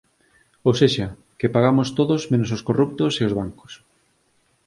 Ou sexa, que pagamos todos menos os corruptos e os bancos